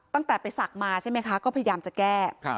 ตั้งแต่ไปศักดิ์มาใช่ไหมคะก็พยายามจะแก้